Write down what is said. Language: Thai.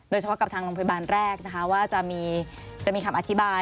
โดยเฉพาะกับทางโรงพยาบาลแรกนะคะว่าจะมีคำอธิบาย